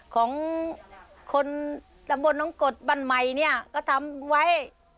ของคนดำบลน้องกฏบรรมัยนี่ก็ทำไว้